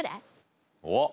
おっ。